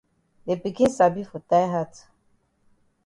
De pikin sabi for tie hat.